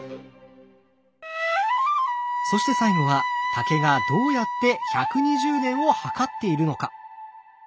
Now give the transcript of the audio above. そして最後は竹がどうやって１２０年を計っているのか？